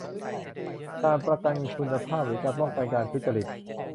การประกันคุณภาพหรือการป้องกันการทุจริต